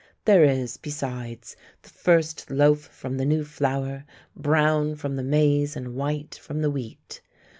There is, besides, the first loaf from the new flour, brown from the maize and white from the wheat.